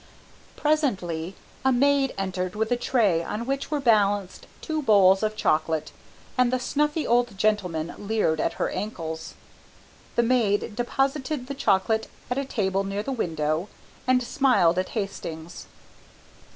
Presently a maid entered with a tray on which were balanced two bowls of chocolate, and the snuffy old gentlemen leered at her ankles. The maid deposited the chocolate at a table near the window and smiled at Hastings.